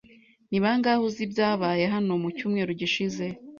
Ni bangahe uzi ibyabaye hano mu cyumweru gishize?